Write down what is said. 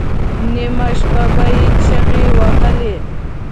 نیمه شپه به یې چیغې وهلې.